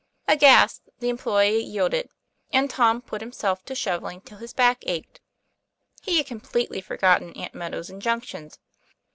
Aghast, the employee yielded, and Tom put him self to shovelling till his back ached. He had completely forgotten Aunt Meadow's injunctions.